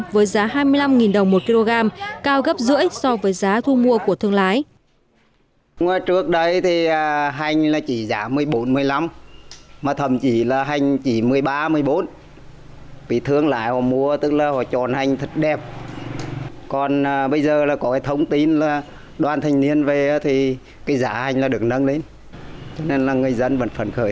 với giá hai mươi năm đồng một kg cao gấp rưỡi so với giá thu mua của thương lái